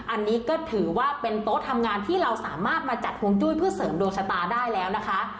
อันนี้ก็ถือว่าเป็นโต๊ะทำงานที่เราสามารถมาจัดฮวงจุ้ยเพื่อเสริมดวงชะตาได้แล้วนะคะ